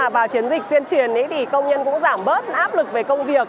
vào chiến dịch tuyên truyền thì công nhân cũng giảm bớt áp lực về công việc